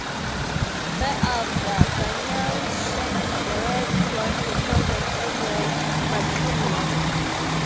Thereafter Daniel Schneidereit joined the project as well, but soon left.